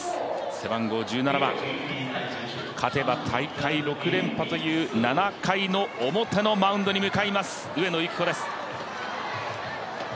背番号１７番勝てば大会６連覇という７回の表のマウンドに向かいます上野由岐子です。